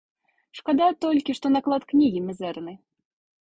Шкада толькі, што наклад кнігі мізэрны.